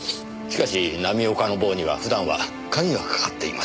しかし浪岡の房には普段は鍵がかかっています。